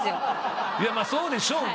いやまあそうでしょうね。